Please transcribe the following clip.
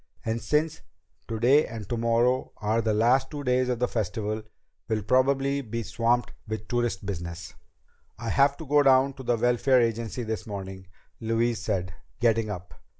"And since today and tomorrow are the last two days of the Festival, we'll probably be swamped with tourist business." "I have to go down to the Welfare Agency this morning," Louise said, getting up.